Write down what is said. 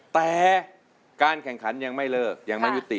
แต่การแข่งขันยังไม่เลิกยังไม่ยุติ